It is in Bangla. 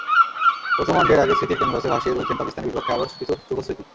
প্রথম ওয়ানডের আগে স্মৃতির ক্যানভাসে ভাসিয়ে তুলছেন পাকিস্তানের বিপক্ষে আরও কিছু সুখস্মৃতি।